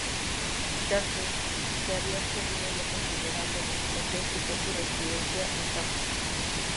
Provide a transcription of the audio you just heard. Clarke, que había obtenido ya considerable reputación, fijó su residencia en Cambridge.